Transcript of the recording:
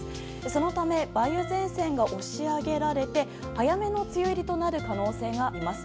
そのため梅雨前線が押し上げられて早めの梅雨入りとなる可能性があります。